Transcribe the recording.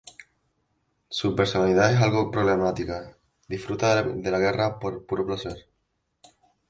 Su personalidad es algo problemática, disfruta de la guerra por puro placer.